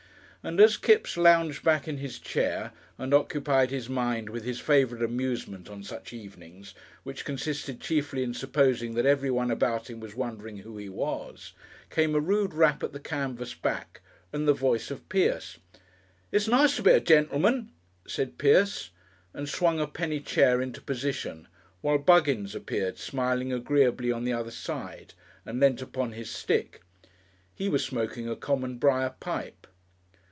And as Kipps lounged back in his chair and occupied his mind with his favourite amusement on such evenings, which consisted chiefly in supposing that everyone about him was wondering who he was, came a rude rap at the canvas back and the voice of Pierce. "It's nice to be a gentleman," said Pierce, and swung a penny chair into position while Buggins appeared smiling agreeably on the other side and leant upon his stick. _He was smoking a common briar pipe!